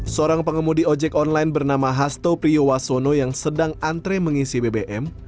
seorang pengemudi ojek online bernama hasto priyowasono yang sedang antre mengisi bbm